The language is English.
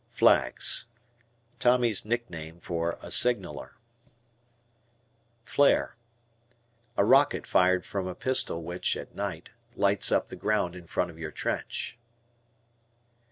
"Flags." Tommy's nickname for a Signaler. Flare. A rocket fired from a pistol which, at night, lights up the ground in front of your trench.